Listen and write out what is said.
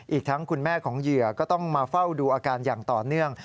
อีกทั้งคุณแม่ของเหยื่อก็ต้องมาเฝ้าดูอาการอย่างต่อเนื่อง